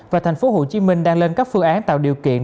và tp hcm đang lên các phương án tạo điều kiện